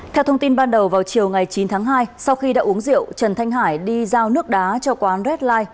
theo thông tin ban đầu vào chiều ngày chín tháng hai sau khi đã uống rượu trần thanh hải đi giao nước đá cho quán reddlife